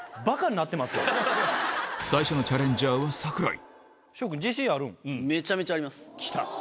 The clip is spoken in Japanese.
最初のチャレンジャーは櫻井きた！